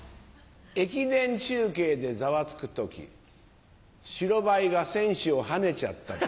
駅伝中継でざわつく時白バイが選手をはねちゃった時。